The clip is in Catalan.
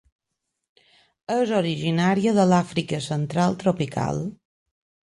És originària de l'Àfrica Central tropical.